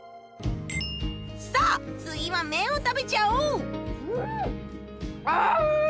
さぁ次は麺を食べちゃおう！